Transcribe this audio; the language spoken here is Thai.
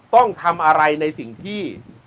ต้องทำอะไรในสิ่งที่